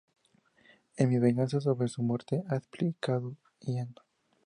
Es mi venganza sobre su muerte", ha explicado Inma.